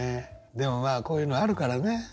でもまあこういうのあるからね。